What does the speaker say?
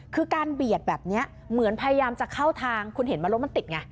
คือการเบียดแบบนี้เหมือนพยายามจะเข้าทางคุณเห็นไหมรถมันติดไง